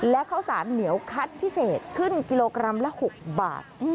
และข้าวสารเหนียวคัดพิเศษขึ้นกิโลกรัมละ๖บาท